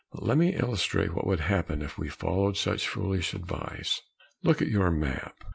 But let me illustrate what would happen if we followed such foolish advice. Look at your map.